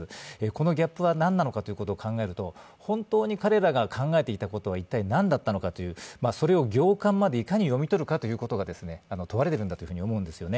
このギャップは何なのかを考えると、本当に彼らが考えていたことは一体何だったのかという、それを行間までいかに読み取るかが問われてくると思うんです。